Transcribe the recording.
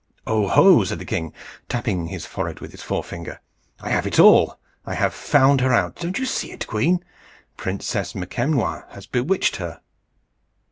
"Oh, ho!" said the king, tapping his forehead with his forefinger, "I have it all. I've found her out. Don't you see it, queen? Princess Makemnoit has bewitched her."